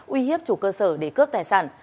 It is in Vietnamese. uy hiếp chủ cơ sở để cướp tài sản